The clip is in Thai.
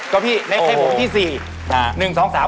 ก็พี่ในใครพูดที่๔